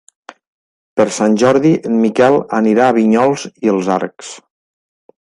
Per Sant Jordi en Miquel anirà a Vinyols i els Arcs.